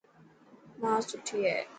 ماءِ سٺي هي.